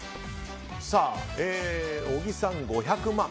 小木さん、５００万。